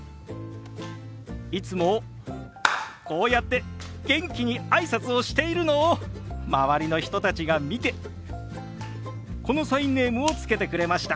いつもこうやって元気に挨拶をしているのを周りの人たちが見てこのサインネームを付けてくれました。